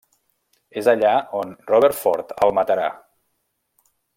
És allà on Robert Ford el matarà.